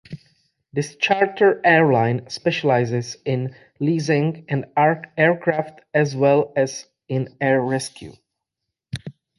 This charter airline specializes in leasing and aircraft as well as in air rescue.